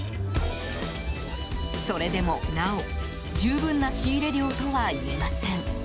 それでもなお十分な仕入れ量とはいえません。